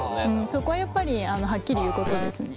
そこはやっぱりはっきり言うことですね。